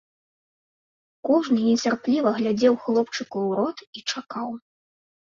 Кожны нецярпліва глядзеў хлопчыку ў рот і чакаў.